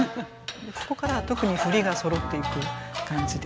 ここから特に振りがそろっていく感じで。